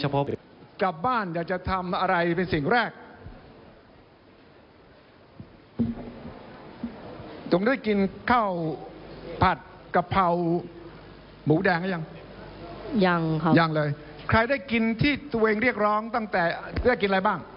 ผัดกะเพราหมูแดงหรือยังยังครับยังเลยใครได้กินที่ตัวเองเรียกร้องตั้งแต่ได้กินอะไรบ้าง